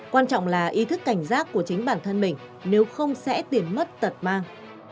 quan trọng là ý thức cảnh giác của chính bản thân mình nếu không sẽ tiền mất tật mang